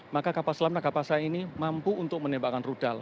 maka kapal selam nagapasa ini mampu untuk menembakkan rudal